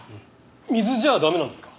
水じゃ駄目なんですか？